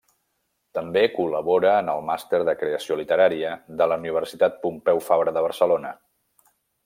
També col·labora en el Màster de Creació Literària de la Universitat Pompeu Fabra de Barcelona.